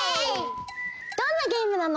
どんなゲームなの？